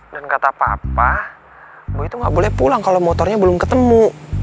dan kata papa boy itu gak boleh pulang kalau motornya belum ketemu